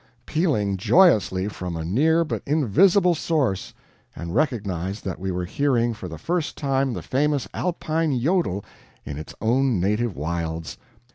pealing joyously from a near but invisible source, and recognized that we were hearing for the first time the famous Alpine JODEL in its own native wilds.